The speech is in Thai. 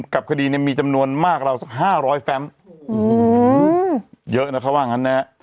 กับคดีมีจำนวนมากกว่า๕๐๐แฟมป์เยอะนะครับว่างั้นนะ